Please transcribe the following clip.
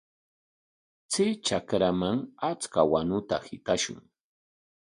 Chay trakraman achka wanuta hitashun.